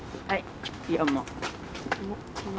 はい。